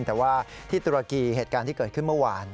แต่ว่าที่ตุรกีเหตุการณ์ที่เกิดขึ้นเมื่อวาน